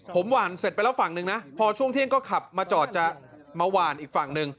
ผมหวานเสร็จไปแล้วฝั่งหนึ่งนะพอช่วงเที่ยงก็ขับมาจอดจะมาหวานอีกฝั่งหนึ่ง